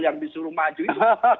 yang disuruh maju itu